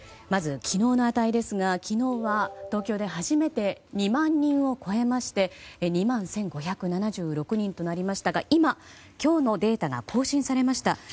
まず昨日の値ですが昨日は東京で初めて２万人を超えまして２万１５７６人となりましたが今、今日のデータが更新されました。